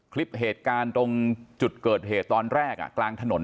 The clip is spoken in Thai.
คลิปเหตุการณ์ตรงจุดเกิดเหตุตอนแรกกลางถนน